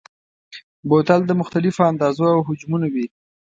بوتل د مختلفو اندازو او حجمونو وي.